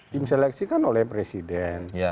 tim seleksi kan oleh presiden